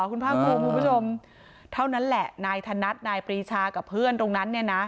คุณภาคภูมิคุณผู้ชมเท่านั้นแหละนายธนัดนายปรีชากับเพื่อนตรงนั้นเนี่ยนะ